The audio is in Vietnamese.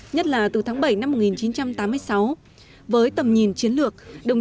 nhất là từ tháng bảy năm một nghìn chín trăm tám mươi sáu với tầm nhìn chiến lược